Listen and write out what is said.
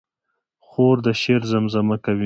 خور د شعر زمزمه کوي.